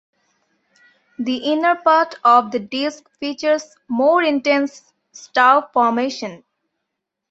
The inner part of the disk features more intense star formation.